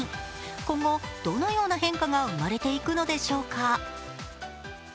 今後、どのような変化が生まれていくのでしょうか。